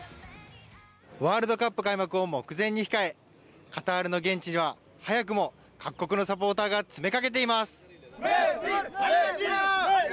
ワールドカップ開幕を目前に控えカタールの現地には早くも各国のサポーターが詰めかけています。